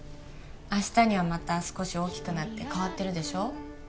明日にはまた少し大きくなって変わってるでしょう？